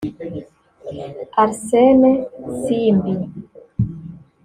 Arsene Simbi